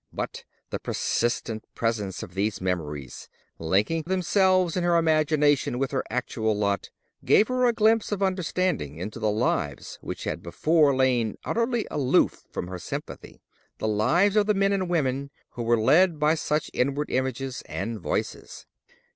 But the persistent presence of these memories, linking themselves in her imagination with her actual lot, gave her a glimpse of understanding into the lives which had before lain utterly aloof from her sympathy—the lives of the men and women who were led by such inward images and voices.